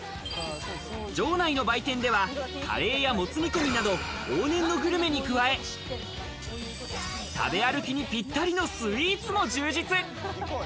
場内の売店では、カレーやもつ煮込みなど、往年のグルメに加え、食べ歩きにぴったりのスイーツも充実。